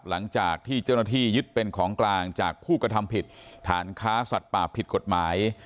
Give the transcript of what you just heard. หลังจากที่เจ้าหน้าที่ยึดเป็นของกลางจากผู้กระทำผิดฐานค้าสัตว์ป่าผิดกฎหมาย